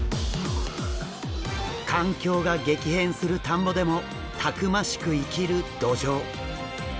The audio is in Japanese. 環境が激変する田んぼでもたくましく生きるドジョウ。